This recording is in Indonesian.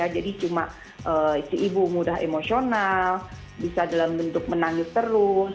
jadi cuma si ibu mudah emosional bisa dalam bentuk menangis terus